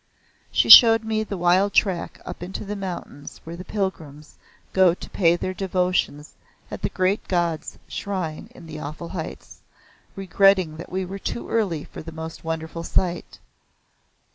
She showed me the wild track up into the mountains where the Pilgrims go to pay their devotions at the Great God's shrine in the awful heights, regretting that we were too early for that most wonderful sight.